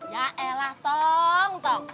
yaelah tong tong